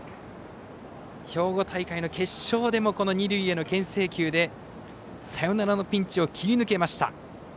兵庫大会の決勝でも二塁へのけん制球でサヨナラのピンチを切り抜けました。